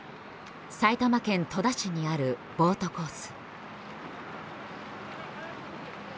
埼玉県戸田市にあるボートコース。